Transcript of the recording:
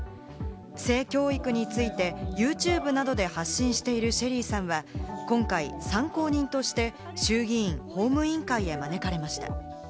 性教育について、ＹｏｕＴｕｂｅなどで発信しているＳＨＥＬＬＹさんは今回、参考人として衆議院法務委員会に招かれました。